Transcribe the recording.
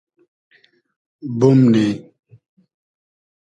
بومنی